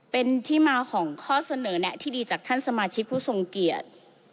เป็นที่มาของข้อเสนอแนะที่ดีจากท่านสมาชิกผู้ทรงเกียรติ